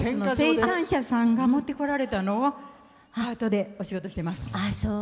生産者さんが持ってこられたのをパートでお仕事をしてます。